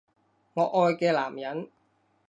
我愛嘅男人